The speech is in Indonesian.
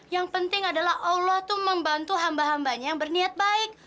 yang penting adalah allah itu membantu hamba hambanya yang berniat baik